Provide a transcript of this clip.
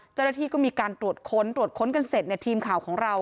เจ้าหน้าที่ก็มีการตรวจค้นตรวจค้นกันเสร็จเนี่ยทีมข่าวของเรา